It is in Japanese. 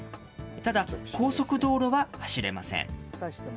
ただ、高速道路は走れません。